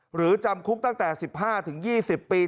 หรือจำคุกตั้งแต่๑๕๒๐ปี